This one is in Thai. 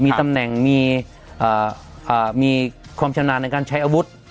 มีตำแหน่งมีความชำนาญในการใช้อาวุธ